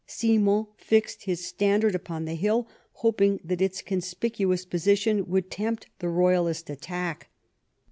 Simon fixed his standard upon the hill, hoping that its con spicuous position would tempt the royalist attack.